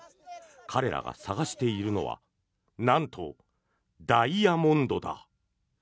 彼らが探しているのはなんと、ダイヤモンドだ。